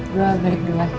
gue balik duluan